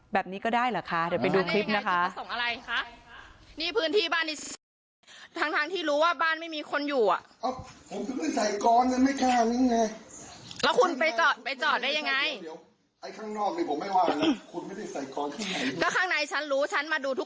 แบบนี้ก็ได้เหรอคะเดี๋ยวไปดูคลิปนะคะ